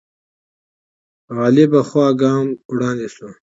غالبه خوا ګام وړاندې شو